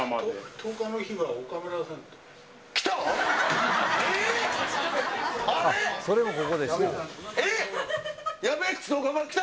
１０日の日は岡村さんが来た。